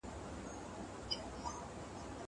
هغه څوک چي سندري اوري خوشاله وي.